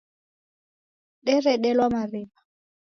Deredelwa mariw'a.